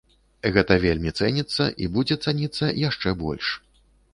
Гэта вельмі цэніцца, і будзе цаніцца яшчэ больш.